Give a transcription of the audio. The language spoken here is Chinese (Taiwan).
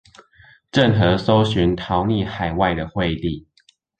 鄭和搜尋逃匿海外的惠帝